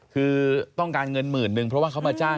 คือต้องการเงินหมื่นนึงเพราะว่าเขามาจ้าง